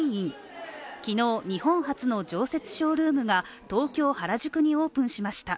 昨日、日本初の常設ショールームが東京・原宿にオープンしました。